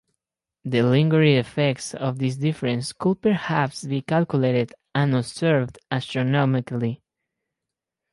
The lingering effects of this difference could perhaps be calculated and observed astronomically.